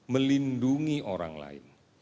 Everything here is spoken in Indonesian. melindungi orang lain